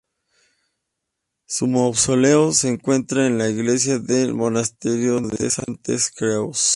Su mausoleo se encuentra en la iglesia del Monasterio de Santes Creus.